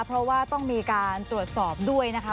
เพราะว่าต้องมีการตรวจสอบด้วยนะคะ